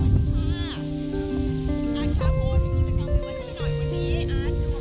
อาร์ทผมไม่รู้ว่าแฟนตรัสของสิ่งค้องผนิศชัย